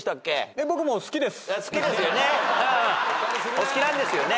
お好きなんですよね。